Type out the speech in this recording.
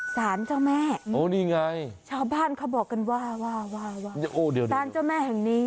สารเจ้าแม่โอ้นี่ไงชาวบ้านเขาบอกกันว่าว่าสารเจ้าแม่แห่งนี้